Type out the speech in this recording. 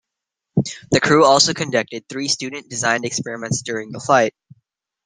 The crew also conducted three student-designed experiments during the flight.